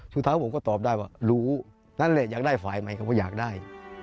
สุดท้ายผมก็ตอบได้ว่ารู้นั่นแหละอยากได้ฝ่ายใหม่เขาก็อยากได้